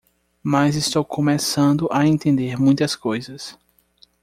Mas estou começando a entender muitas coisas.